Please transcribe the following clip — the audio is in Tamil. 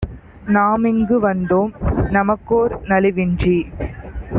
நாமிங்கு வந்தோம். நமக்கோர் நலிவின்றி